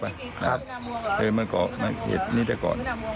ครับเธอมาเขาเห็นนี้แต่ก่อน